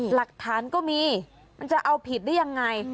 หลักฐานก็มีมันจะเอาผิดได้ยังไง